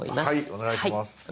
お願いします。